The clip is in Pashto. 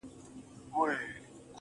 لـه ژړا دي خداى را وساته جانـانـه.